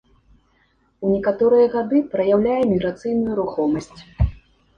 У некаторыя гады праяўляе міграцыйную рухомасць.